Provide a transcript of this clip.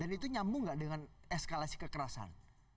dan itu nyambung tidak dengan eskalasi kekerasan